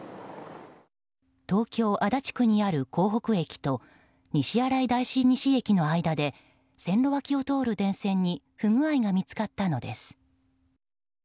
東京・足立区にある江北駅と西新井大師西駅の間で線路脇を通る電線に不具合が見つかったのです。